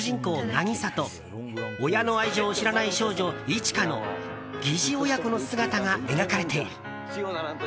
凪沙と親の愛情を知らない少女一果の疑似親子の姿が描かれている。